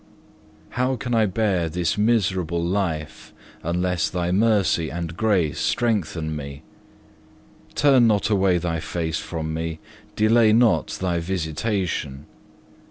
7. How can I bear this miserable life unless Thy mercy and grace strengthen me? Turn not away Thy face from me, delay not Thy visitation.